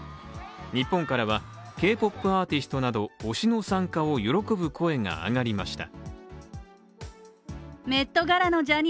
日本からはＫ−ＰＯＰアーティストなど、推しの参加を喜ぶ声が上がりました。